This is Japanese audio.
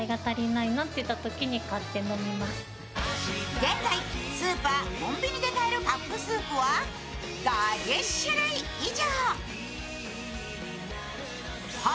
現在、スーパー、コンビニで買えるカップスープは５０種類以上。